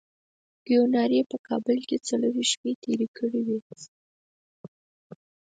کیوناري په کابل کې څلوېښت شپې تېرې کړې وې.